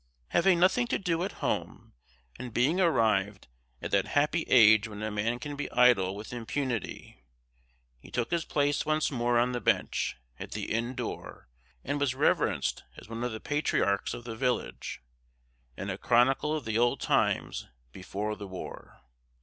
Having nothing to do at home, and being arrived at that happy age when a man can be idle with impunity, he took his place once more on the bench, at the inn door, and was reverenced as one of the patriarchs of the village, and a chronicle of the old times "before the war."